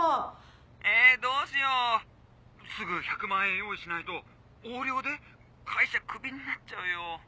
えどうしよう⁉すぐ１００万円用意しないと横領で会社クビになっちゃうよ。